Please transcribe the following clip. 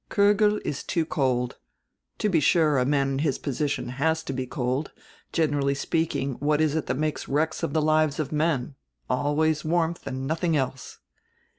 Kogel is too cold. To be sure, a man in his position has to be cold. Generally speaking, what is it that makes wrecks of the lives of men? Always warmth, and nothing else."